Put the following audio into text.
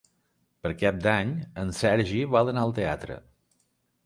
Per Cap d'Any en Sergi vol anar al teatre.